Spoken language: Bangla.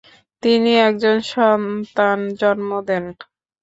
তিনি একজন সন্তান জন্ম দেন।